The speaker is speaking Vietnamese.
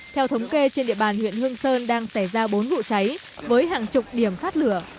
theo thống kê trên địa bàn huyện hương sơn đang xảy ra bốn vụ cháy với hàng chục điểm phát lửa